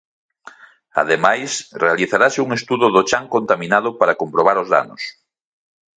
Ademais, realizarase un estudo do chan contaminado para comprobar os danos.